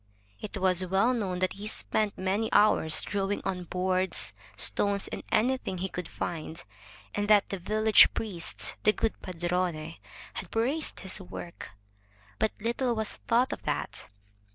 It was well known that he spent many hours drawing on boards, stones, and anything he could find, and that the village priest, the good padrone, had praised his work. But little was thought of that.